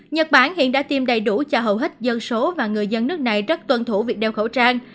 nhật bản hiện đã tiêm đầy đủ cho hầu hết dân số và người dân nước này rất tuân thủ việc đeo khẩu trang